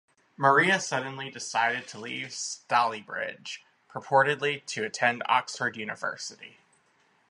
Maria suddenly decided to leave Stalybridge, purportedly to attend Oxford University.